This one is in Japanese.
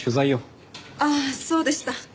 ああそうでした。